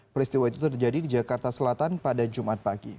peristiwa itu terjadi di jakarta selatan pada jumat pagi